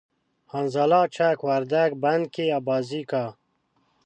حنظله چک وردگ بند کی آبازی کا